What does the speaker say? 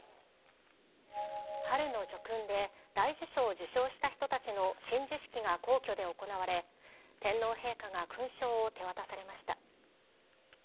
春の叙勲で、大綬章を受章した人たちの親授式が皇居で行われ、天皇陛下が勲章を手渡されました。